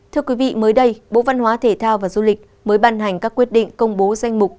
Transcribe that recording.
thưa quý vị mới đây bộ văn hóa thể thao và du lịch mới ban hành các quyết định công bố danh mục